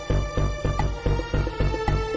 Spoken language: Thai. กินโทษส่องแล้วอย่างนี้ก็ได้